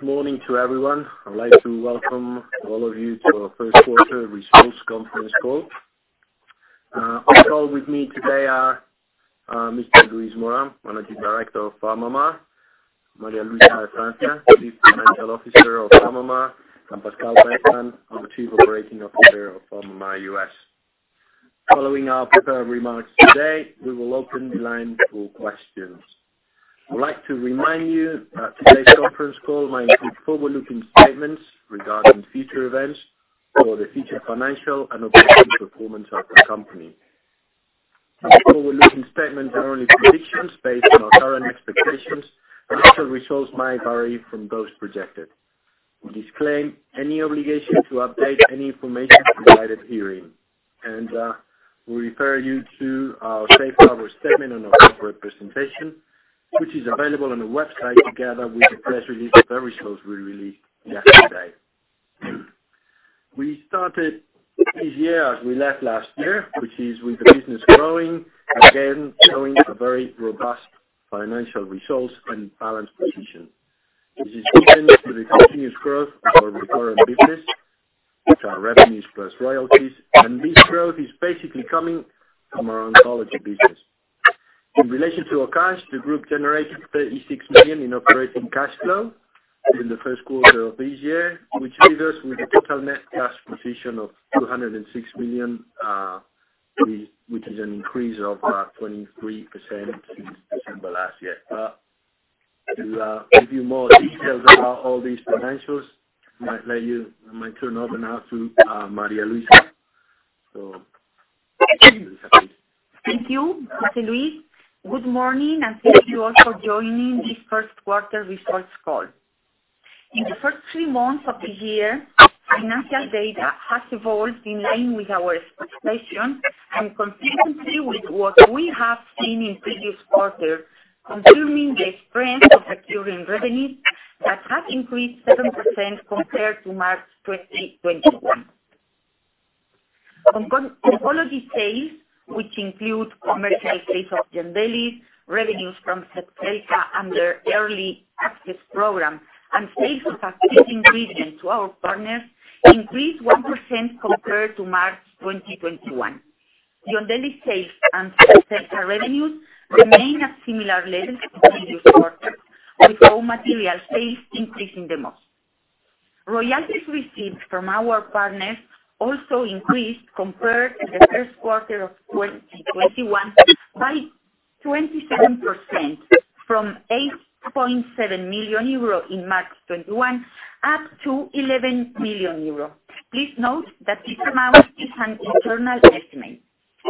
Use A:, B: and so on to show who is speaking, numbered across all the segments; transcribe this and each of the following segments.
A: Good morning to everyone. I'd like to welcome all of you to our first quarter results conference call. On the call with me today are Mr. Luis Mora, Managing Director of PharmaMar, María Luisa de Francia Caballero, Chief Financial Officer of PharmaMar, and Pascal Besman, our Chief Operating Officer of PharmaMar U.S. Following our prepared remarks today, we will open the line for questions. I'd like to remind you that today's conference call might include forward-looking statements regarding future events or the future financial and operating performance of the company. Such forward-looking statements are only predictions based on our current expectations, and actual results may vary from those projected. We disclaim any obligation to update any information provided herein. We refer you to our safe harbor statement on our corporate presentation, which is available on the website together with the press release of the results we released yesterday. We started this year as we left last year, which is with the business growing, again, showing very robust financial results and balanced position. This is due to the continuous growth of our recurrent business, which are revenues plus royalties, and this growth is basically coming from our oncology business. In relation to our cash, the group generated 36 million in operating cash flow in the first quarter of this year, which leaves us with a total net cash position of 206 million, which is an increase of 23% since December last year. To give you more details about all these financials, I might turn over now to María Luisa. María Luisa, please.
B: Thank you, José Luis. Good morning, and thank you all for joining this first quarter results call. In the first three months of the year, financial data has evolved in line with our expectations and consistently with what we have seen in previous quarters, confirming the strength of recurring revenues that have increased 7% compared to March 2021. Oncology sales, which include commercial sales of YONDELIS, revenues from ZEPZELCA under early access program, and sales of active ingredient to our partners, increased 1% compared to March 2021. YONDELIS sales and ZEPZELCA revenues remain at similar levels to previous quarters, with raw material sales increasing the most. Royalties received from our partners also increased compared to the first quarter of 2021 by 27% from 8.7 million euro in March 2021 up to 11 million euro. Please note that this amount is an internal estimate.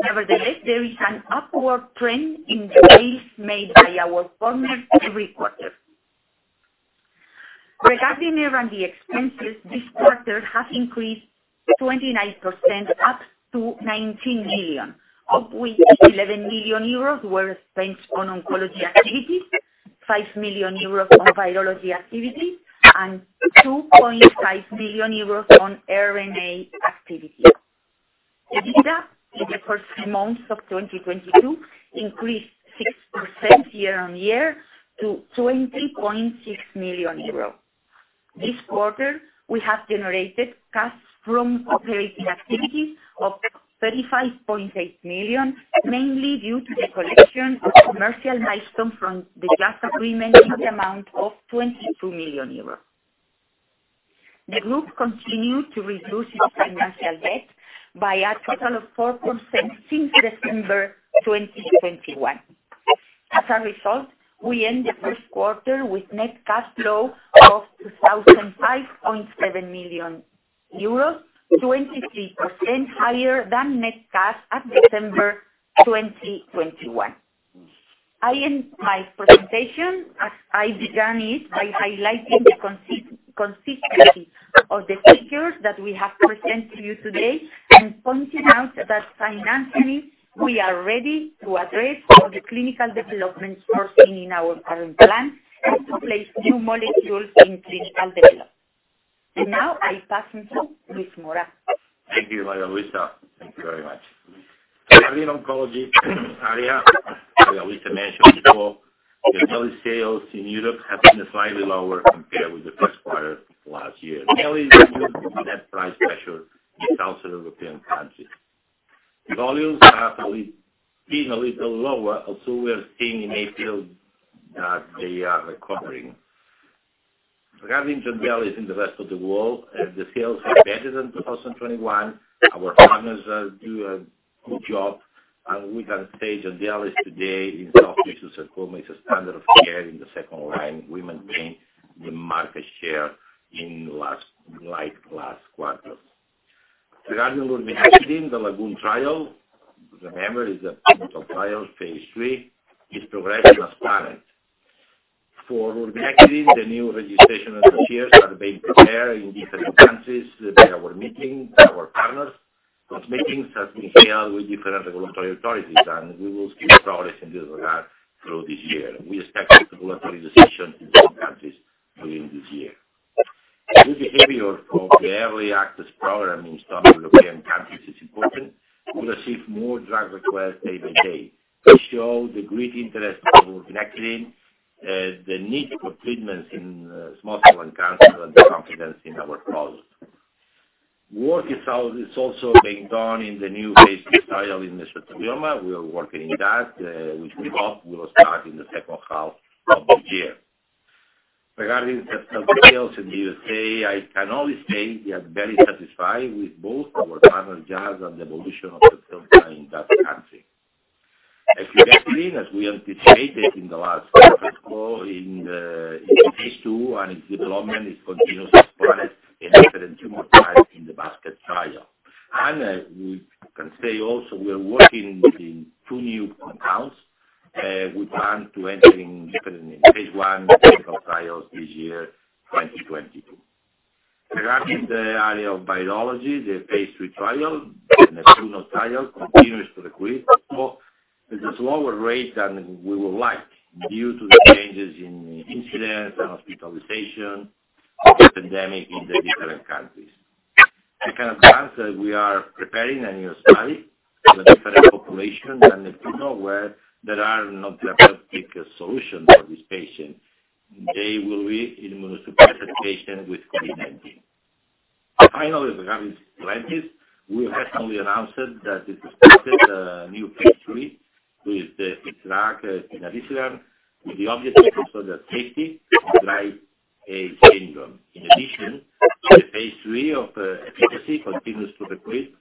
B: Nevertheless, there is an upward trend in the sales made by our partners every quarter. Regarding R&D expenses, this quarter has increased 29% to 19 million. Of which 11 million euros were spent on oncology activities, 5 million euros on virology activities, and 2.5 million euros on RNA activities. The data in the first three months of 2022 increased 6% year-over-year to 20.6 million euros. This quarter, we have generated cash from operating activities of 35.8 million, mainly due to the collection of commercial milestone from the JAVELIN agreement in the amount of 22 million euros. The group continued to reduce its financial debt by a total of 4% since December 2021. As a result, we end the first quarter with net cash flow of 2,005.7 million euros, 23% higher than net cash at December 2021. I end my presentation, as I began it, by highlighting the consistency of the figures that we have presented to you today and pointing out that financially we are ready to address all the clinical development sourcing in our R&D plan and to place new molecules in clinical development. Now I pass on to Luis Mora.
C: Thank you, María Luisa. Thank you very much. In oncology area, as María Luisa mentioned before, YONDELIS sales in Europe have been slightly lower compared with the first quarter last year. YONDELIS is under net price pressure in some Southern European countries. Volumes have been a little lower, and so we are seeing in April that they are recovering. Regarding YONDELIS in the rest of the world, the sales are better than 2021. Our partners do a good job, and we can say YONDELIS today in soft tissue sarcoma is a standard of care in the second line. We maintain the market share like last quarter. Regarding lurbinectedin, the LAGOON trial, remember, is a pivotal trial phase III, is progressing as planned. For lurbinectedin, the new registration dossiers are being prepared in different countries. There were meetings with our partners.
A: Those meetings have been held with different regulatory authorities, and we will keep progress in this regard through this year. We expect the regulatory decision in some countries within this year.
C: The good behavior for the early access program in some European countries is important. We receive more drug requests day by day, which show the great interest in lurbinectedin, the need for treatments in small cell lung cancer and the confidence in our product. Work is also being done in the new phase II trial in mesothelioma. We are working on that, which we hope will start in the second half of the year. Regarding ZEPZELCA in the USA, I can only say we are very satisfied with both our partner Jazz and the evolution of ZEPZELCA in that country. As you can see, as we anticipated in the last conference call, phase II and its development is continuously supported in evident tumor types in the basket trial. We can say also we are working on two new compounds. We plan to enter into phase I clinical trials this year, 2022. Regarding the area of biologics, the phase III trial, the NEPTUNO trial continues to recruit, but at a slower rate than we would like due to the changes in incidence and hospitalizations of the pandemic in the different countries. I can advance that we are preparing a new study with a different population than NEPTUNO, where there are no therapeutic solutions for these patients. They will be immunosuppressed patients with COVID-19. Finally, regarding Sylentis, we have only announced that it has started a new phase III with the drug tivanisiran with the objective to show its safety in dry eye syndrome. In addition, the phase III of efficacy continues to recruit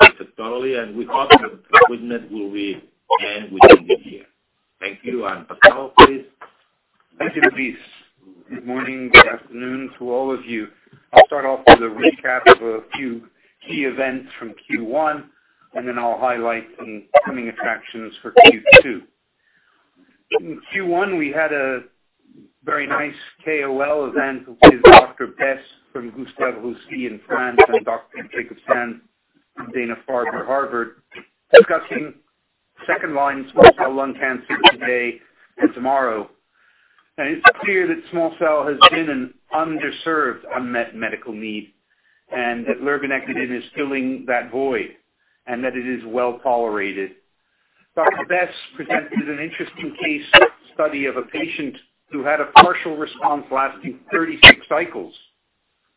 C: satisfactorily, and we hope that recruitment will end within the year. Thank you, and Pascal, please.
D: Thank you, Luis. Good morning or afternoon to all of you. I'll start off with a recap of a few key events from Q1, and then I'll highlight some coming attractions for Q2. In Q1, we had a very nice KOL event with Dr. Besse from Gustave Roussy in France and Dr. Jacobson from Dana-Farber/Harvard, discussing second-line small cell lung cancer today and tomorrow. Now, it's clear that small cell has been an underserved unmet medical need and that lurbinectedin is filling that void and that it is well-tolerated. Dr. Besse presented an interesting case study of a patient who had a partial response lasting 36 cycles.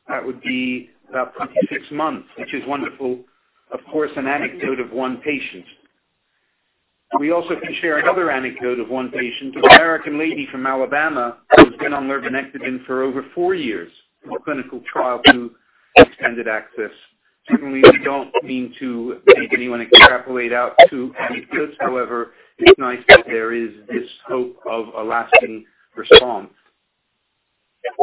D: That would be about 26 months, which is wonderful. Of course, an anecdote of one patient. We also can share another anecdote of one patient, an American lady from Alabama who's been on lurbinectedin for over four years from a clinical trial to extended access. Certainly, we don't mean to make anyone extrapolate out to any goods. However, it's nice that there is this hope of a lasting response.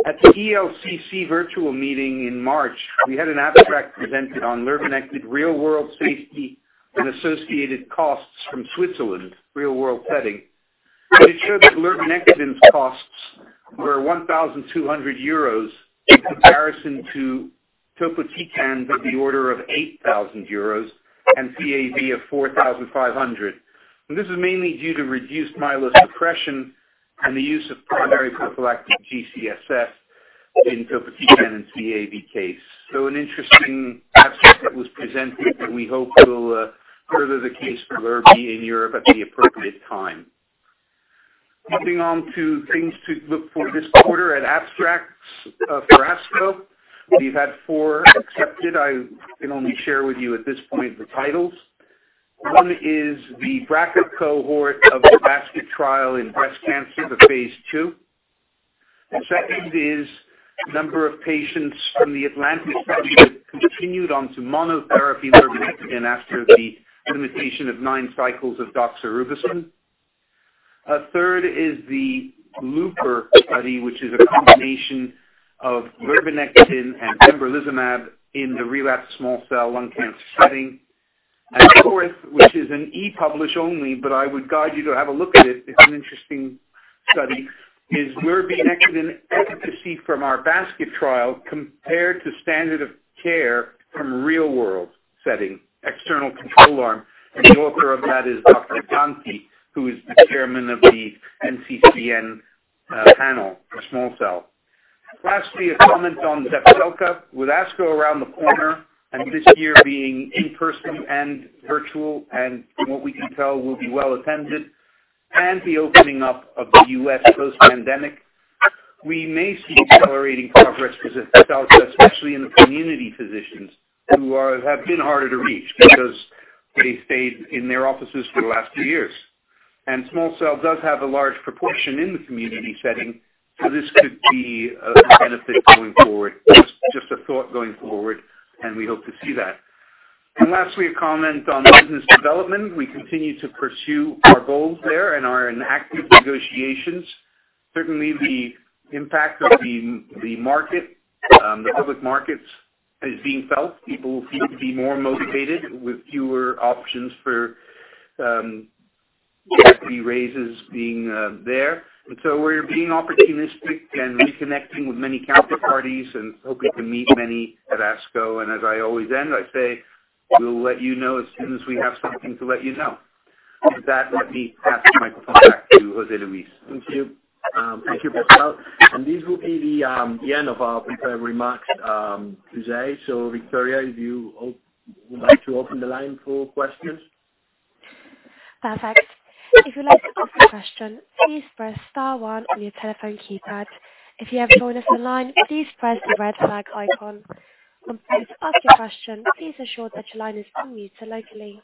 D: At the ELCC virtual meeting in March, we had an abstract presented on lurbinectedin real-world safety and associated costs from Switzerland real-world setting. It showed that lurbinectedin costs were 1,200 euros in comparison to topotecan of the order of 8,000 euros and CAV of 4,500. This is mainly due to reduced myelosuppression and the use of primary prophylactic G-CSF in topotecan and CAV case. An interesting abstract that was presented that we hope will further the case for lurbinectedin in Europe at the appropriate time. Moving on to things to look for this quarter at abstracts for ASCO, we've had four accepted. I can only share with you at this point the titles. One is the BRCA cohort of the basket trial in breast cancer, the phase II. The second is number of patients from the ATLANTIS study that continued onto monotherapy lurbinectedin after the completion of nine cycles of doxorubicin. A third is the LUPER study, which is a combination of lurbinectedin and pembrolizumab in the relapsed small cell lung cancer setting. Fourth, which is an e-poster only, but I would guide you to have a look at it's an interesting study, is lurbinectedin efficacy from our basket trial compared to standard of care from real-world setting, external control arm, and the author of that is Dr. Ettinger, who is the chairman of the NCCN panel for small cell. Lastly, a comment on ZEPZELCA. With ASCO around the corner and this year being in-person and virtual, and from what we can tell, will be well-attended and the opening up of the U.S. post-pandemic, we may see accelerating progress with ZEPZELCA, especially in the community physicians who have been harder to reach because they stayed in their offices for the last two years. Small cell does have a large proportion in the community setting, so this could be a benefit going forward. Just a thought going forward, and we hope to see that. Lastly, a comment on business development. We continue to pursue our goals there and are in active negotiations. Certainly, the impact of the public markets is being felt. People seem to be more motivated with fewer options for equity raises being there. We're being opportunistic and reconnecting with many counterparties and hoping to meet many at ASCO. As I always end, I say, we'll let you know as soon as we have something to let you know. With that, let me pass the microphone back to José Luis.
A: Thank you. Thank you, Pascal. This will be the end of our prepared remarks today. Victoria, if you would like to open the line for questions.
E: Perfect. If you'd like to ask a question, please press star one on your telephone keypad. If you have joined us online, please press the red flag icon. Please, ask your question, please ensure that your line is on mute locally.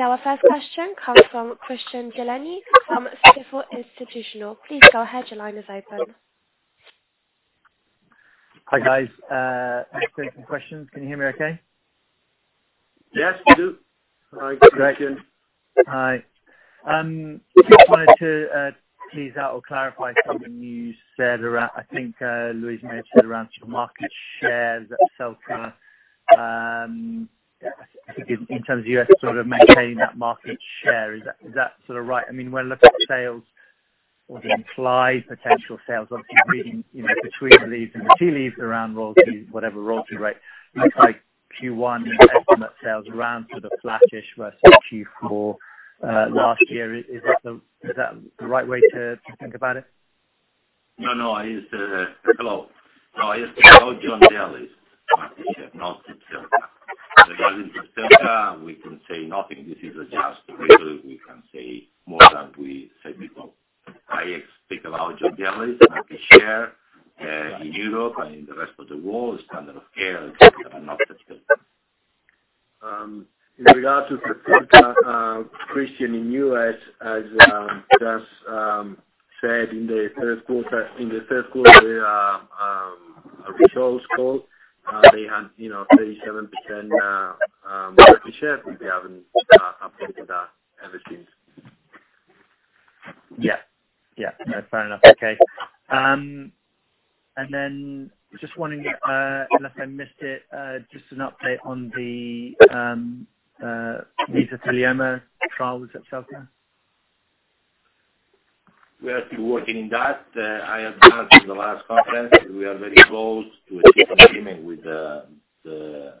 E: Our first question comes from Christian Deleny from Citadel Institutional. Please go ahead. Your line is open.
F: Hi, guys. I've got some questions. Can you hear me okay?
C: Yes, we do.
D: Hi, Christian.
F: Hi. Just wanted to tease out or clarify something you said around, I think, Luis may have said around sort of market share at ZEPZELCA. I think in terms of you sort of maintaining that market share. Is that sort of right? I mean, when I look at sales or the implied potential sales, obviously reading, you know, between the leaves and the tea leaves around royalty, whatever royalty, right? Looks like Q1, the estimated sales around sort of flattish versus Q4 last year. Is that the right way to think about it?
C: No, I used to go on about market share, not ZEPZELCA. Regarding ZEPZELCA, we can say nothing. This is just really we can't say more than we said before. I speak about market share in Europe and in the rest of the world, standard of care and not specific.
D: In regard to the ZEPZELCA, Christian in the U.S. has just said in the third quarter results call, they had, you know, 37% market share, and they haven't updated that ever since.
F: Yeah. Yeah. No, fair enough. Okay. Just wondering, unless I missed it, just an update on the ZEPZELCA trials.
C: We are still working on that. I announced in the last conference that we are very close to a deal agreement with the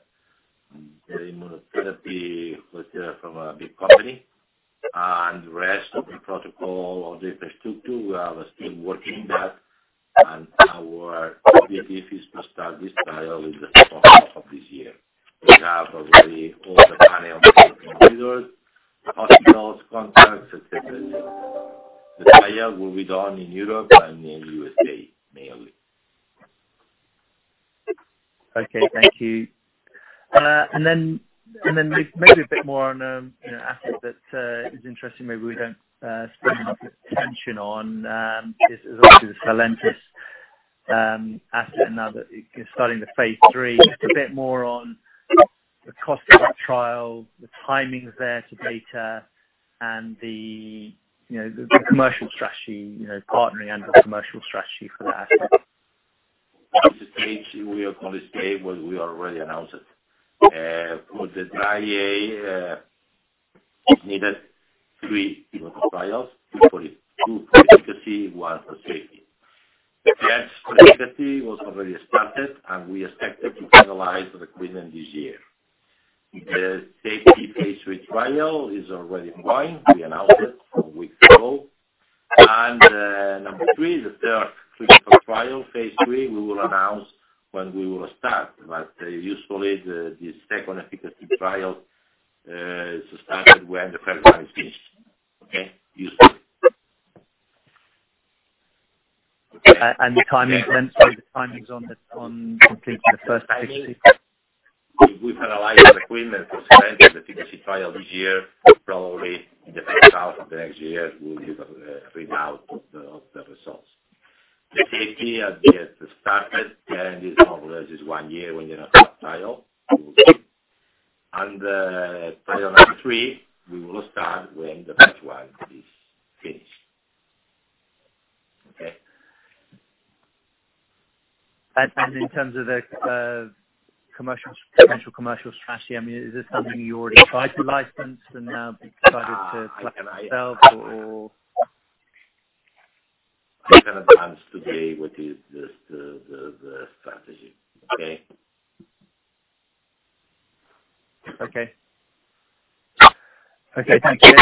C: immunotherapy licensor from a big company. Rest of the protocol or the infrastructure, we are still working on that, and our objective is to start this trial in the second half of this year. We have already all the panel of principal investigators, hospitals, contracts and et cetera. The trial will be done in Europe and in USA, mainly.
F: Okay, thank you. A bit more on, you know, asset that is interesting, maybe we don't spend enough attention on, is obviously the Sylentis asset now that it's starting the phase III. Just a bit more on the cost of that trial, the timings there to data and the, you know, the commercial strategy, you know, partnering and the commercial strategy for the asset.
C: At this stage, we are on the stage where we already announced it. For the NDA, we needed three clinical trials, two for efficacy, one for safety. The first for efficacy was already started, and we expect to finalize recruitment this year. The safety phase III trial is already ongoing. We announced it a week ago. Number three, the third clinical trial phase III we will announce when we will start. Usually, the second efficacy trial is started when the first one is finished. Okay. Usually.
F: The timing on completing the first phase III?
C: We've analyzed recruitment for Sylentis, the efficacy trial this year. Probably in the first half of next year, we'll give a readout of the results. The safety has just started. Again, this model is one year when you're in a trial. Phase III, we will start when the first one is finished. Okay?
F: in terms of the potential commercial strategy, I mean, is this something you already tried to license and now decided to platform yourself or?
C: I cannot announce today what is the strategy. Okay?
F: Okay. Okay, thank you.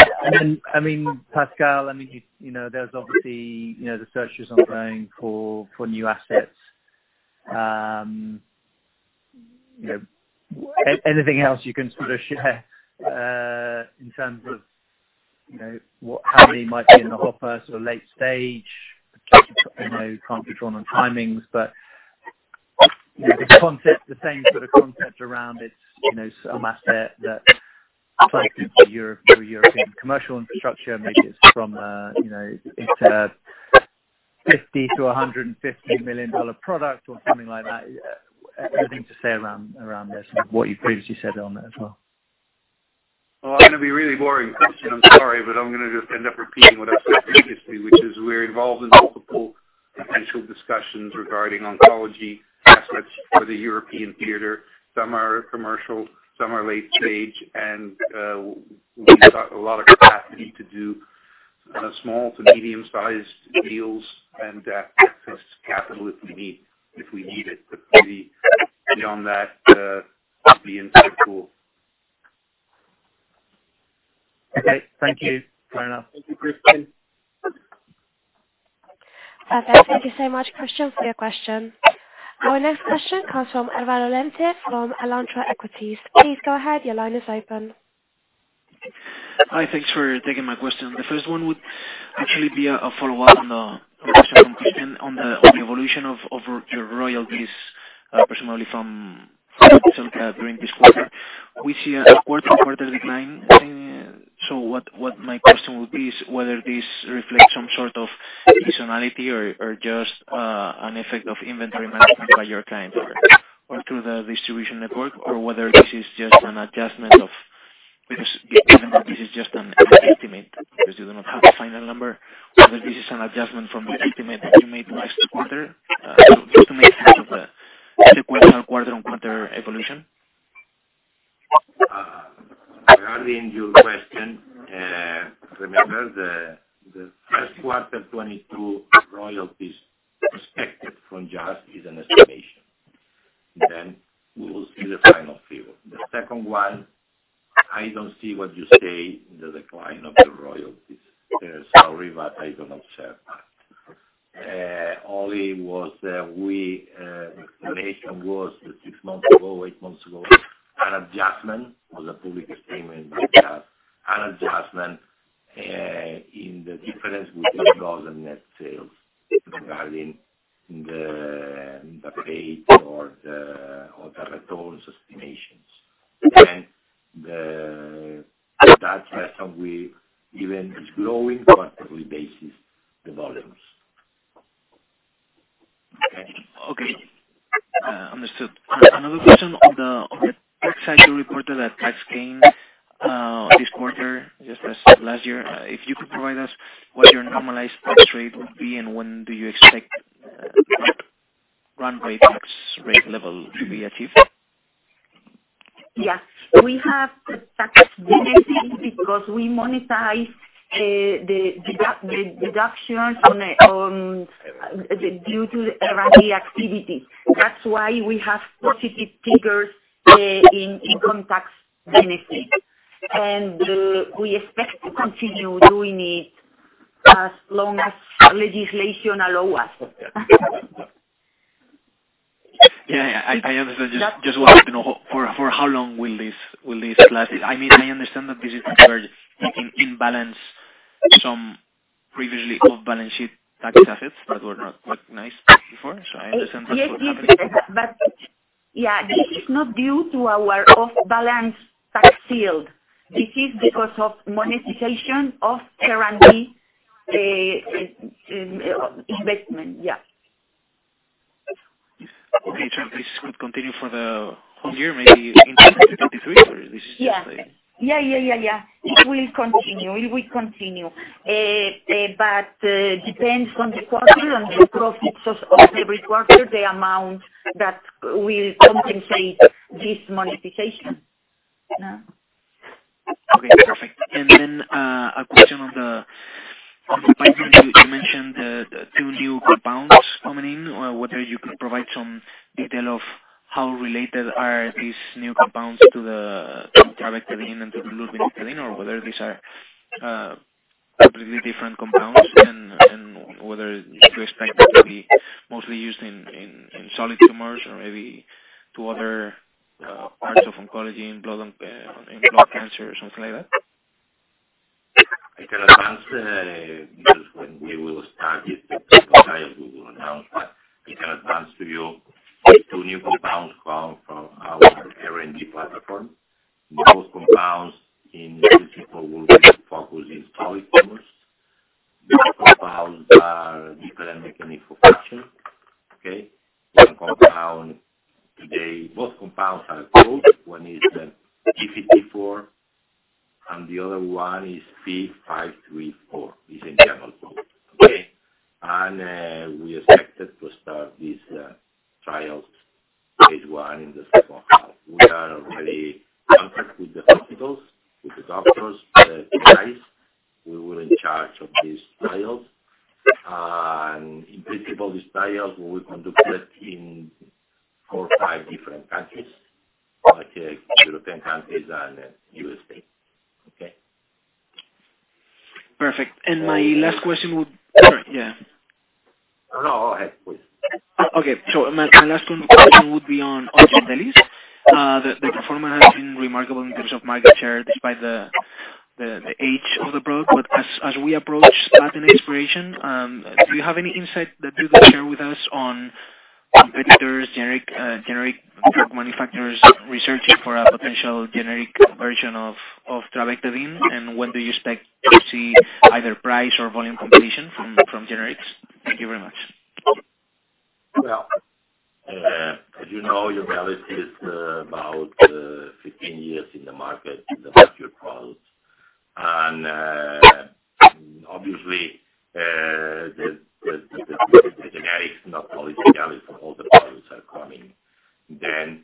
F: I mean, Pascal, I mean, you know, there's obviously, you know, the searches ongoing for new assets. You know, anything else you can sort of share in terms of, you know, what, how many might be in the hopper, sort of late stage? I know you can't be drawn on timings, but, you know, the concept, the same sort of concept around it's, you know, an asset that licensing to Europe or European commercial infrastructure makes it from a, you know, it's a $50 million-$150 million product or something like that. Anything to say around this and what you previously said on that as well?
D: Well, I'm gonna be really boring, Christian. I'm sorry, but I'm gonna just end up repeating what I said previously, which is we're involved in multiple potential discussions regarding oncology assets for the European theater. Some are commercial, some are late stage, and we've got a lot of capacity to do
C: Small to medium-sized deals and access capital if we need it. Really beyond that, being so cool.
G: Okay, thank you. Fair enough.
C: Thank you, Christian.
E: Okay, thank you so much, Christian, for your question. Our next question comes from Ervan Alente from Alantra Equities. Please go ahead. Your line is open.
G: Hi. Thanks for taking my question. The first one would actually be a follow-up on the question from Christian on the evolution of your royalties personally from during this quarter. We see a quarter-to-quarter decline. What my question would be is whether this reflects some sort of seasonality or just an effect of inventory management by your client or through the distribution network, or whether this is just an adjustment because this is just an estimate because you do not have the final number, whether this is an adjustment from the estimate that you made last quarter, just to make sense of the quarter-on-quarter evolution.
C: Regarding your question, remember the first quarter 2022 royalties perspective from Jazz is an estimation. Then we will see the final figure. The second one, I don't see what you say the decline of the royalties. Sorry, but I don't observe that. The explanation was that six months ago, eight months ago, an adjustment was a public statement by us, an adjustment in the difference between gross and net sales regarding the rate or the returns estimations. That's why some we even is growing quarterly basis, the volumes. Okay.
G: Okay. Understood. Another question on the tax side, you reported a tax gain, this quarter, just as last year. If you could provide us what your normalized tax rate would be, and when do you expect run rate tax rate level to be achieved?
B: We have the tax benefit because we monetize the deductions due to R&D activity. That's why we have positive figures in income tax benefit. We expect to continue doing it as long as legislation allow us.
G: Yeah. I understand. Just wanted to know for how long will this last? I mean, I understand that this is where you can imbalance some previously off-balance-sheet type assets that were not quite nice before. I understand that's what happened.
B: Yes. Yeah, this is not due to our off-balance tax shield. This is because of monetization of R&D investment. Yeah.
G: Okay. This could continue for the whole year, maybe into 2023.
B: Yeah. It will continue, but it depends on the quarter, on the profits of every quarter, the amount that will compensate this monetization. Yeah.
G: Okay. Perfect. A question on the pipeline. You mentioned two new compounds coming in. Whether you could provide some detail of how related are these new compounds to trabectedin and to lurbinectedin, or whether these are completely different compounds and whether you expect them to be mostly used in solid tumors or maybe to other parts of oncology in blood and in blood cancer or something like that.
C: I can advance because when we will start it, we will announce that. I can advance to you two new compounds coming from our R&D platform. Those compounds in principle will be focused in solid tumors. These compounds are different mechanism of action. Okay? Most compounds are code. One is the PM184, and the other one is PM534, is internal code. Okay? We expected to start these trials, phase I in the second half. We are already in contact with the hospitals, with the doctors, tonight. We were in charge of these trials. In principle, these trials will be conducted in four or five different countries, like, European countries and US. Okay.
G: Perfect. Yeah.
C: No, go ahead, please.
G: Okay. My last question would be on YONDELIS. The performance has been remarkable in terms of market share despite the age of the product. As we approach patent expiration, do you have any insight that you can share with us on competitors, generic drug manufacturers researching for a potential generic version of trabectedin? When do you expect to see either price or volume competition from generics? Thank you very much.
C: Well, as you know, UBRELVY is about 15 years in the market, the mature product. Obviously, I mean, then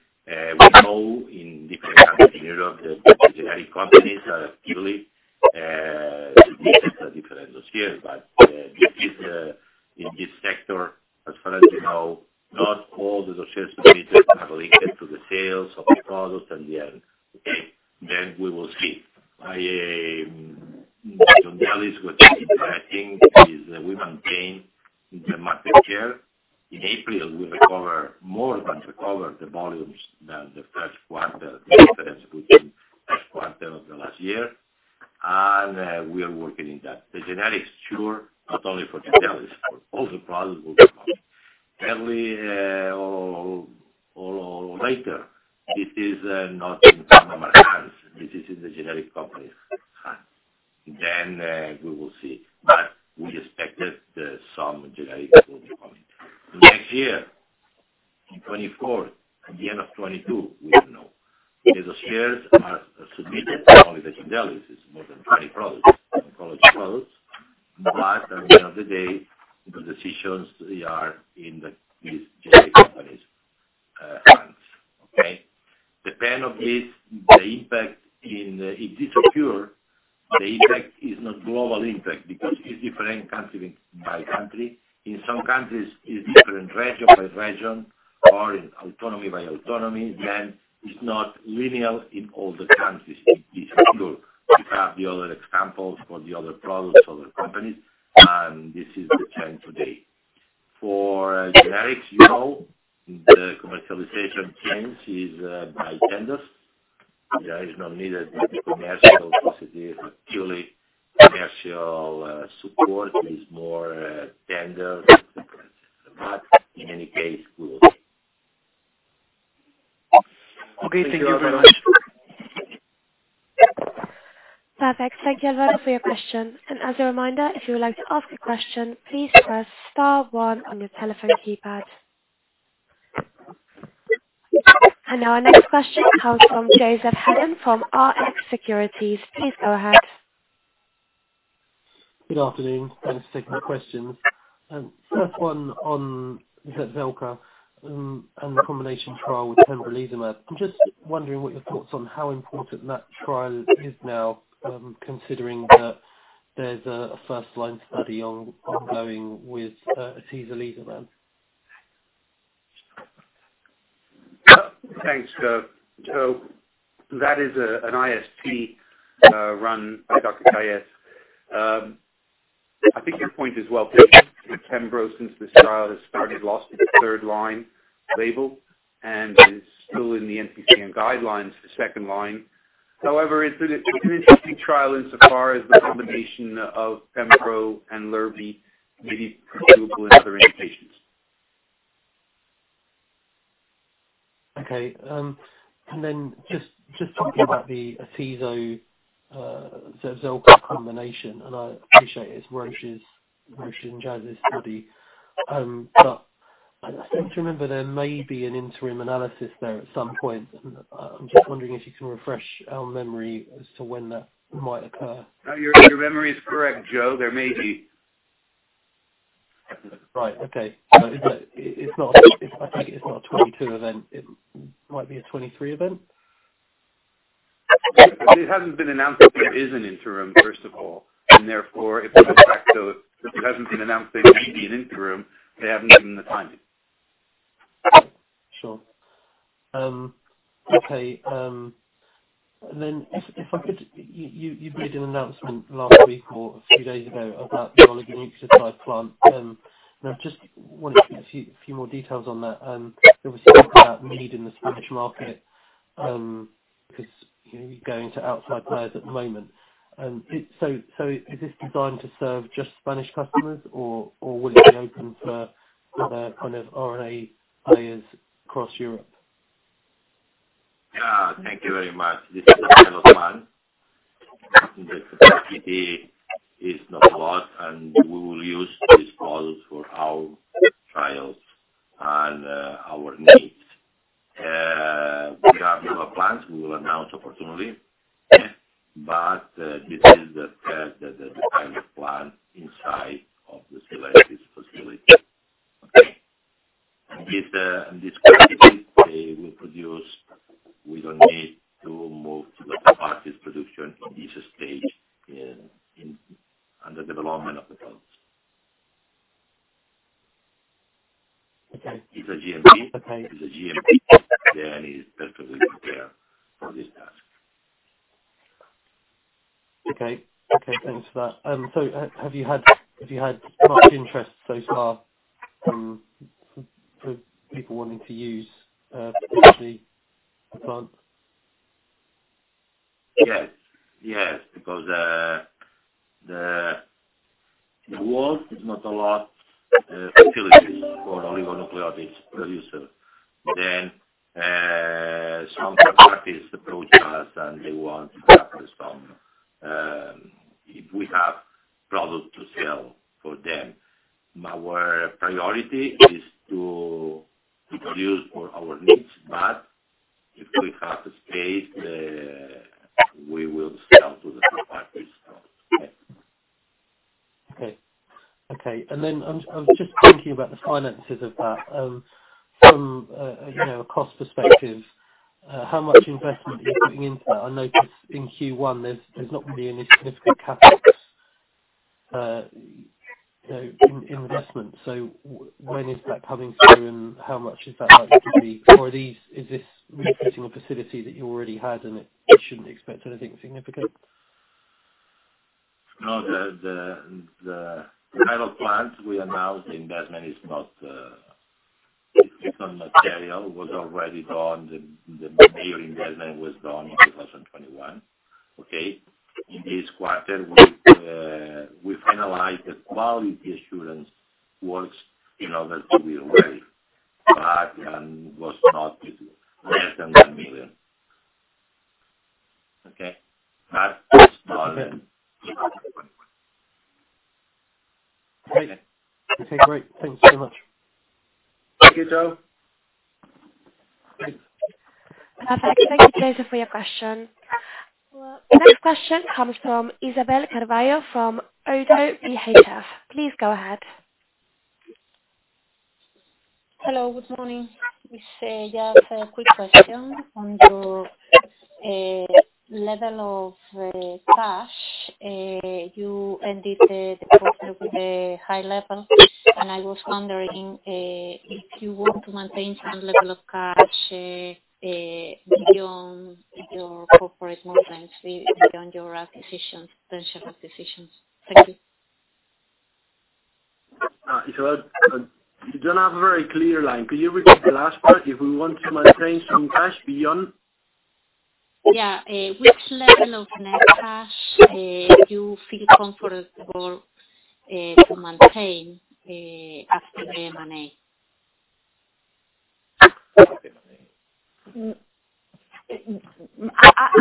C: we know in different countries in Europe that the generic companies are actively filing different dossiers. This is, in this sector, is not in our hands. This is in the generic company's hand. We will see. We expected that some generics will be coming next year, in 2024, at the end of 2022. We don't know. The dossiers are submitted, not only, it's more than 20 products, oncology products. At the end of the day, the decisions, they are in these generic companies' hands. Depending on this, the impact is secure, but the impact is not global impact because it's different country by country. In some countries it's different region by region or in autonomy by autonomy. It's not linear in all the countries it is secure. You have the other examples for the other products, other companies, and this is the trend today. For generics, you know, the commercialization trends is by tenders. There is no need commercial. This is a purely commercial support. It's more tender than not. In any case, good.
G: Okay. Thank you very much.
E: Perfect. Thank you, Alvaro, for your question. As a reminder, if you would like to ask a question, please press star one on your telephone keypad. Now our next question comes from Joseph Hedden from Rx Securities. Please go ahead.
H: Good afternoon. Thanks for taking the question. First one on ZEPZELCA, and the combination trial with pembrolizumab. I'm just wondering what your thoughts on how important that trial is now, considering that there's a first-line study ongoing with atezolizumab.
C: Thanks, Joe. That is an IST run by Dr. Kayes. I think your point is well taken. The pembro, since this trial has started, lost its third-line label and is still in the NCCN guidelines for second-line. However, it's an interesting trial insofar as the combination of pembro and lurbinectedin may be suitable in other indications.
H: Okay. Just talking about the atezo, ZEPZELCA combination, and I appreciate it's Roche's and Jazz's study. I seem to remember there may be an interim analysis there at some point. I'm just wondering if you can refresh our memory as to when that might occur.
C: Your memory is correct, Joe. There may be.
H: Right. Okay. It's not, I think it's not a 2022 event. It might be a 2023 event.
C: It hasn't been announced that there is an interim, first of all, and therefore it's an effect. If it hasn't been announced, there may be an interim. They haven't given the timing.
H: Sure. Okay. If I could, you made an announcement last week or a few days ago about the oligonucleotide plant. I just wanted a few more details on that. There was talk about need in the Spanish market, because you're going to outside players at the moment. Is this designed to serve just Spanish customers or will it be open for the kind of RNA players across Europe?
C: Thank you very much. This is a pilot plant. The capacity is not a lot, and we will use these products for our trials and our needs. We have newer plants we will announce appropriately. This is the first defined plant inside of the Sylentis facility. Okay. Within this capacity they will produce, we don't need to move to the third-party production in this stage, under development of the products.
H: Okay.
C: It's a GMP.
H: Okay.
C: It's a GMP. They are perfectly prepared for this task.
H: Okay, thanks for that. Have you had much interest so far from people wanting to use the plant?
C: Yes. Yes, because there are not a lot of facilities for oligonucleotide production. Some third parties approach us and they want to have some if we have products to sell to them. Our priority is to produce for our needs, but if we have the space.
H: Okay. I'm just thinking about the finances of that. From you know, a cost perspective, how much investment are you putting into that? I noticed in Q1 there's not really any significant CapEx, you know, in investment. When is that coming through and how much is that likely to be? Or is this replacing a facility that you already had and it shouldn't expect anything significant?
A: No. The Sylentis plant we announced the investment is not different material. It was already done. The main investment was done in 2021. Okay? In this quarter, we finalized the quality assurance works in order to be ready. Was not with less than 1 million. Okay? Not small.
H: Okay. Great. Thank you so much.
A: Thank you, Joe.
E: Perfect. Thank you, Joseph, for your question. Well, the next question comes from Isabel Carballo from Oddo BHF. Please go ahead.
I: Hello. Good morning. It's just a quick question on your level of cash. You ended the quarter with a high level. I was wondering if you want to maintain some level of cash beyond your corporate movements, beyond your acquisitions, potential acquisitions. Thank you.
A: Isabelle, you don't have a very clear line. Could you repeat the last part? If we want to maintain some cash beyond?
I: Yeah. Which level of net cash do you feel comfortable to maintain after the M&A?
A: After the M&A.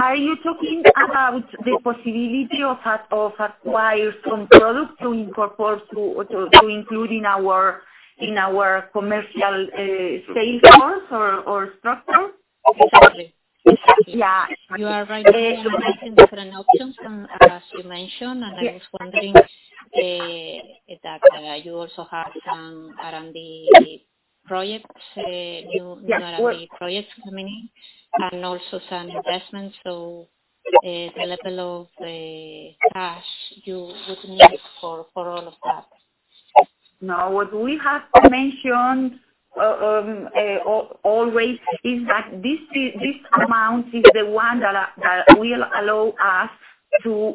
B: Are you talking about the possibility of acquiring some product to incorporate, to include in our commercial sales force or structure?
I: Exactly. Exactly.
B: Yeah.
I: You are right now making different options from as you mentioned. I was wondering that you also have some R&D projects, new R&D projects coming and also some investments. The level of the cash you would need for all of that.
B: No. What we have mentioned always is that this amount is the one that will allow us to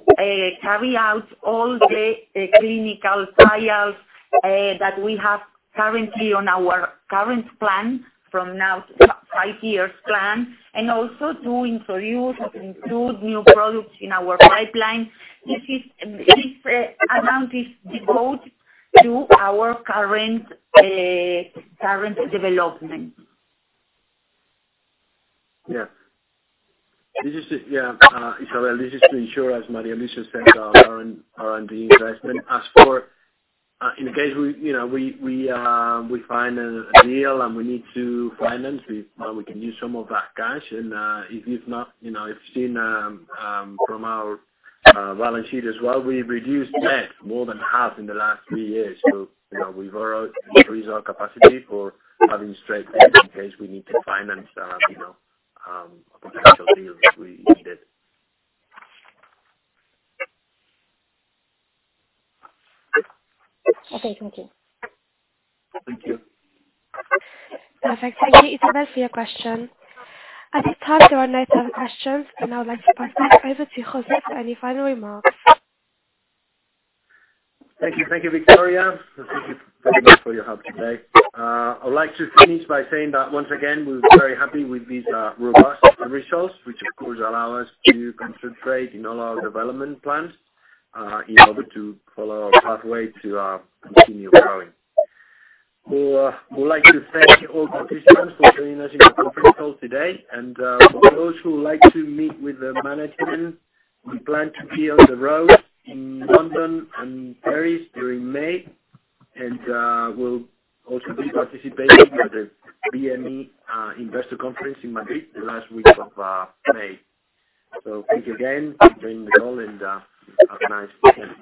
B: carry out all the clinical trials that we have currently on our current plan from now to five years plan, and also to introduce or include new products in our pipeline. This amount is devoted to our current development.
A: Isabelle. This is to ensure, as María Luisa said, our R&D investment. As for in case we, you know, we find a deal and we need to finance, well, we can use some of that cash and, if not, you know, you've seen, from our balance sheet as well, we've reduced net more than half in the last three years. You know, we've already increased our capacity for having strength in case we need to finance, you know, potential deals if we need it.
I: Okay. Thank you.
A: Thank you.
E: Perfect. Thank you, Isabelle, for your question. At this time, there are no further questions. I would like to pass back over to José for any final remarks.
A: Thank you. Thank you, Victoria. Thank you very much for your help today. I would like to finish by saying that once again, we're very happy with these robust results, which of course allow us to concentrate in all our development plans, in order to follow our pathway to continue growing. I would like to thank all participants for joining us in our conference call today. For those who would like to meet with the management, we plan to be on the road in London and Paris during May. We'll also be participating at the BME Investor Conference in Madrid the last week of May. Thank you again for joining the call and have a nice weekend.